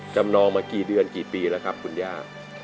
นองมากี่เดือนกี่ปีแล้วครับคุณย่า